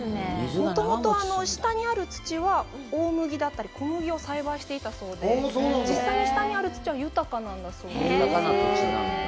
もともと下にある土は、大麦、小麦を栽培していたそうで、実際の下にある土は、豊かなんだそうです。